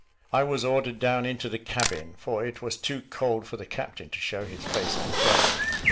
I was ordered down into the cabin, for it was too cold for the captain to show his face on deck.